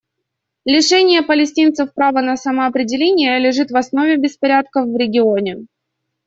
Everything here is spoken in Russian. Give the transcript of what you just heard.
Лишение палестинцев права на самоопределение лежит в основе беспорядков в регионе.